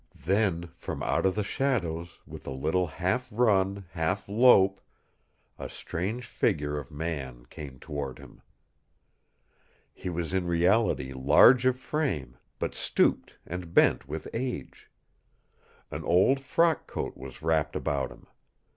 Then from out the shadows, with a little half run, half lope, a strange figure of man came toward him. He was in reality large of frame, but stooped and bent with age. An old frock coat was wrapped about him.